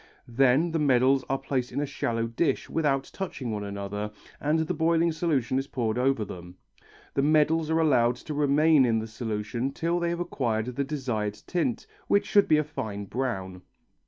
Then the medals are placed in a shallow dish without touching one another and the boiling solution is poured over them. The medals are allowed to remain in the solution till they have acquired the desired tint, which should be a fine brown.